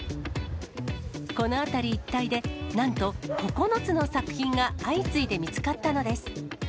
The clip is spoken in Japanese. この辺り一帯で、なんと９つの作品が相次いで見つかったのです。